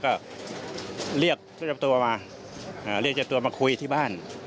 ก็เรียกเจ้าตัวมาเรียกเจ้าตัวมาคุยที่บ้าน